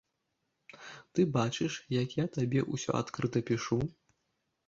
Ты бачыш, як я табе ўсё адкрыта пішу.